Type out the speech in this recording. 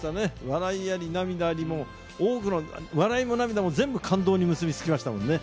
笑いあり、涙あり、多くの笑いも涙も全部感動に結び付きましたもんね。